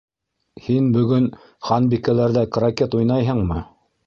Һин бөгөн Ханбикәләрҙә крокет уйнайһыңмы?